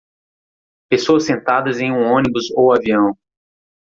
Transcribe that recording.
Pessoas sentadas em um ônibus ou avião.